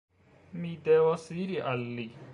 Mi devas iri al li!